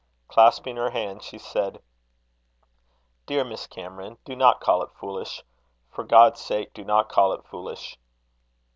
Clasping. her hands, she said: "Dear Miss Cameron, do not call it foolish. For God's sake, do not call it foolish."